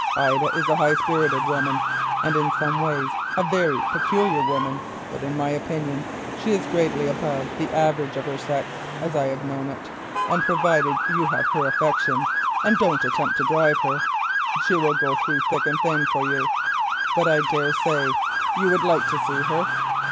Ida is a high spirited woman; but in my opinion she is greatly above the average of her sex, as I have known it, and provided you have her affection, and don't attempt to drive her, she will go through thick and thin for you. But I dare say you would like to see her.